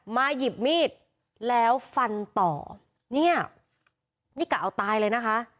หยิบมีดแล้วฟันต่อเนี่ยนี่กะเอาตายเลยนะคะ